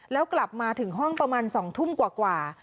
แล้วกลับมาถึงห้องประมาณ๒ทุ่มกว่า